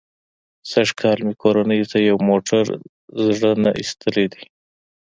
سږ کال مې کورنۍ ته یو موټر زړه نه ایستلی دی.